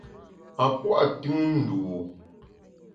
A pua’ tùn ndû.